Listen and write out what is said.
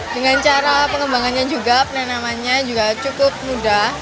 dengan cara pengembangannya juga penanamannya juga cukup mudah